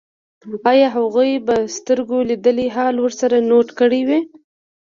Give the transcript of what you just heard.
ایا هغوی به سترګو لیدلی حال ورسره نوټ کړی وي